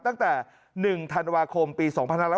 ตั้งแต่๑ธันวาคมปี๒๕๖๐